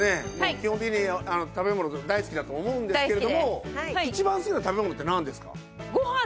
基本的に食べ物大好きだと思うんですけれども一番好きな食べ物ってなんですか？